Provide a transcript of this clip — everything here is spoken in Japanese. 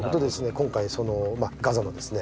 今回そのガザのですね